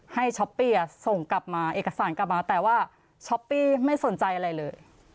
ช้อปปี้ส่งกลับมาเอกสารกลับมาแต่ว่าช้อปปี้ไม่สนใจอะไรเลย